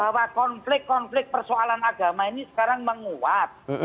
bahwa konflik konflik persoalan agama ini sekarang menguat